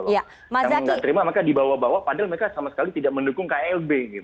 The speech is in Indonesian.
kalau nggak terima maka dibawa bawa padahal mereka sama sekali tidak mendukung klb